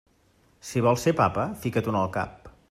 Si vols ser papa, fica-t'ho en el cap.